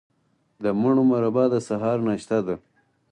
د مڼو مربا د سهار ناشته ده.